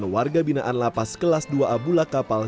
enam ratus empat puluh delapan warga binaan lapas kelas dua a bula kapal